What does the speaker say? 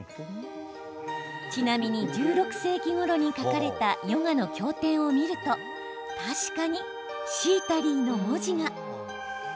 ちなみに１６世紀ごろに書かれたヨガの経典を見ると確かに、シータリーの文字が。